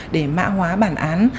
để mã hóa bản án